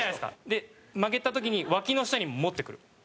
で曲げた時にわきの下に持ってくる。